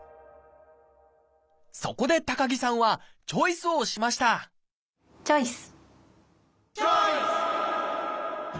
そこで高木さんはチョイスをしましたチョイス！